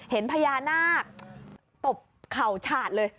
เห็นพญานาคตบเข่าฉาดเลย